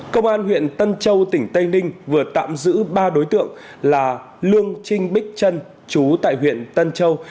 công an huyện tân châu tỉnh tây ninh vừa tạm giữ ba đối tượng là lương trinh bích trân chú tại huyện tân châu